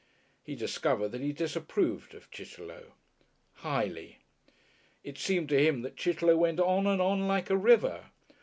He discovered that he disapproved of Chitterlow. Highly. It seemed to him that Chitterlow went on and on like a river.